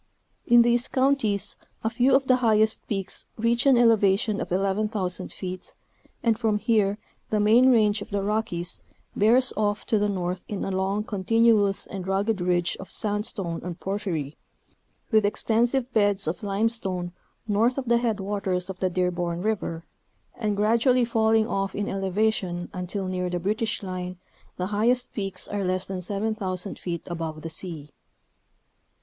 In these counties a few of the highest peaks reach an elevation of 11,000 feet, and from here the main range of the Rockies bears off to the north in a long, continuous and rugged ridge of sand stone and porphyry, with extensive beds of limestone north of the headwaters of the Dearborn River, and gradually falling off in elevation, until near the British line the highest peaks are less than 7,000 feet above the sea.